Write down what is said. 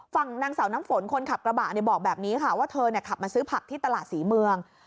ฝั่งนางสาวน้ำฝนคนขับกระบะบอกแบบนี้ค่ะว่าเธอขับมาซื้อผักที่ตลาดศรีเมือง